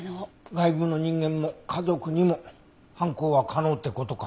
外部の人間も家族にも犯行は可能って事か。